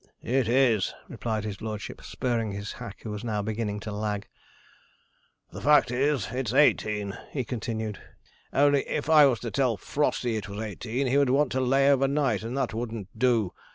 'It is,' replied his lordship, spurring his hack, who was now beginning to lag: 'the fact is, it's eighteen,' he continued; 'only if I was to tell Frosty it was eighteen, he would want to lay overnight, and that wouldn't do.